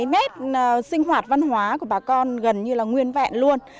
nét sinh hoạt văn hóa của bà con gần như là nguyên vẹn luôn